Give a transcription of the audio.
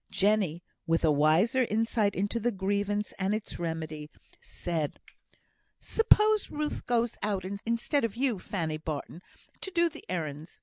Jenny, with a wiser insight into the grievance and its remedy, said: "Suppose Ruth goes out instead of you, Fanny Barton, to do the errands.